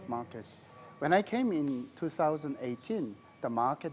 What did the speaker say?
perjalanan itu bagus